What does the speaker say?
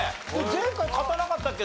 前回勝たなかったっけ？